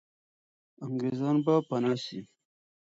انګریزان به پنا سي.